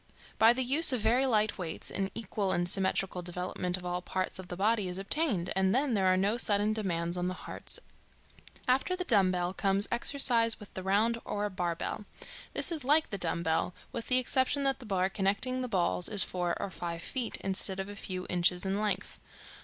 By the use of very light weights an equal and symmetrical development of all parts of the body is obtained, and then there are no sudden demands on the heart and lungs. After the dumbbell comes exercise with the round, or bar bell. This is like the dumbbell, with the exception that the bar connecting the balls is four or five feet, instead of a few inches in length.